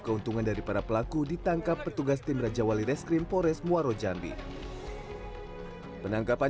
keuntungan dari para pelaku ditangkap petugas tim raja wali reskrim pores muaro jambi penangkapan